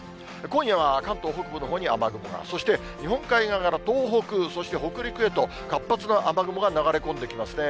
今夜は関東北部のほうに雨雲が、そして、日本海側から東北、そして北陸へと活発な雨雲が流れ込んできますね。